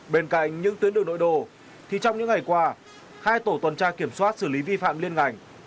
bên cạnh những tuyến đường nội đồ thì trong những ngày qua hai tổ tuần tra kiểm soát xử lý vi phạm liên ngành